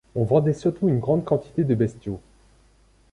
On vendait surtout une grande quantité de bestiaux.